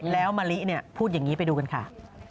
แล้วมะลิพูดอย่างนี้ไปดูกันค่ะ